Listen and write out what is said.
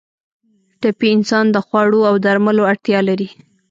ټپي انسان د خوړو او درملو اړتیا لري.